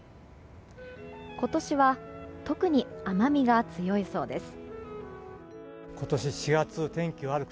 今年は特に甘みが強いそうです。